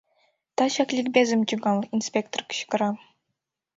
Тачак ликбезым тӱҥал, — инспектор кычкыра.